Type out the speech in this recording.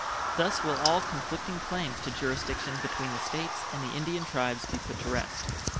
Thus will all conflicting claims to jurisdiction between the States and the Indian tribes be put to rest.